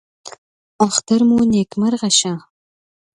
اختر مو نیکمرغه شه